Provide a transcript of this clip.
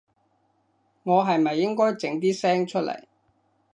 我係咪應該整啲聲出來